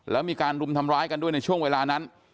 แล้วมีการรุมทำร้ายกันด้วยในช่วงเวลานั้น